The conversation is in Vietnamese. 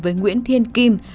với nguyễn thiên kim